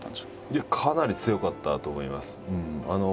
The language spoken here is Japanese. いやかなり強かったと思います。